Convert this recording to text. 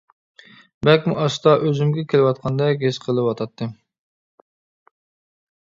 بەكمۇ ئاستا ئۆزۈمگە كېلىۋاتقاندەك ھېس قىلىۋاتاتتىم.